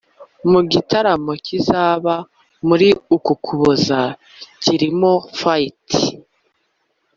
Mu gitaramo kizaba muri uku kuboza kirimo fighter P